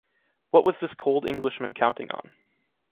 What was this cold Englishman counting on?